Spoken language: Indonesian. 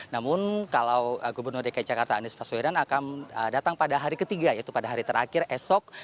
namun kalau gubernur dki jakarta anies paswedan akan datang pada hari ketiga yaitu pada hari terakhir esok